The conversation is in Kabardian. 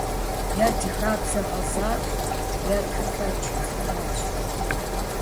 Е ди хабзэ гъэзащӀэ, е тхэкӀ, - жаӀащ.